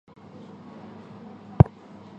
专门从事房地产法律。